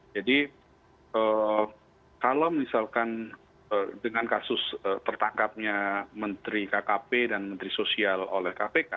jadi kalau misalkan dengan kasus tertangkapnya menteri kkp dan menteri sosial oleh kpk